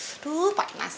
aduh pak inas